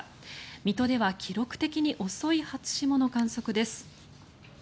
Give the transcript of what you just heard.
水戸では記録的に遅い初霜の観測です。